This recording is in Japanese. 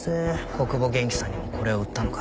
小久保元気さんにもこれを売ったのか？